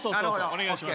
お願いします。